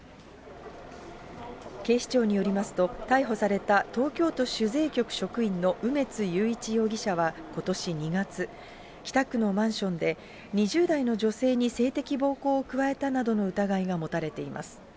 警視庁によりますと、逮捕された東京都主税局職員の梅津裕一容疑者はことし２月、北区のマンションで、２０代の女性に性的暴行を加えたなどの疑いが持たれています。